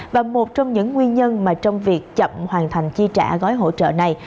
và một trong những nguyên nhân mà trong việc chậm hoàn thành chi trả gói hỗ trợ này